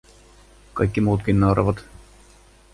Kaikki muutkin nauravat.